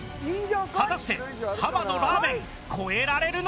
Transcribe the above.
果たしてはまのラーメン超えられるのか？